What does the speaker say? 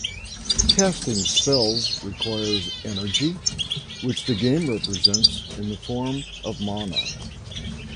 Casting spells requires energy, which the game represents in the form of mana.